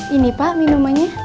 ini pak minumannya